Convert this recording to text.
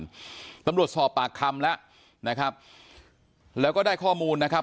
ตำรวจสอบปากคำแล้วนะครับแล้วก็ได้ข้อมูลนะครับ